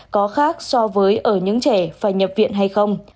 có khác so với ở những trẻ phải nhập viện hay không